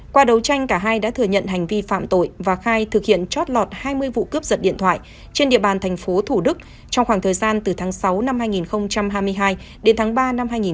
qua đấu tranh cả hai đã thừa nhận hành vi phạm tội và khai thực hiện chót lọt hai mươi vụ cướp giật điện thoại trên địa bàn thành phố thủ đức trong khoảng thời gian từ tháng sáu năm hai nghìn hai mươi hai đến tháng ba năm hai nghìn hai mươi ba